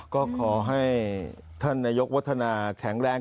ก็ขอให้ท่านนายกวัฒนาแข็งแรง